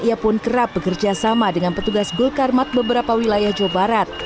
ia pun kerap bekerja sama dengan petugas gulkarmat beberapa wilayah jawa barat